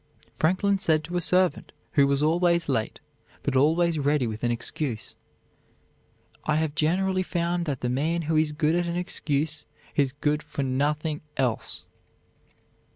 Franklin said to a servant who was always late, but always ready with an excuse, "I have generally found that the man who is good at an excuse is good for nothing else."